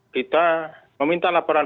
kita meminta laporan